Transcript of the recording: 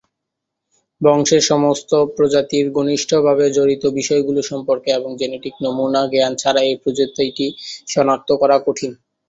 বংশের সমস্ত প্রজাতির ঘনিষ্ঠভাবে জড়িত বিষয়গুলো সম্পর্কে এবং জেনেটিক নমুনা জ্ঞান ছাড়া এ প্রজাতিটি সনাক্ত করা কঠিন।